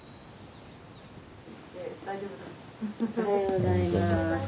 おはようございます。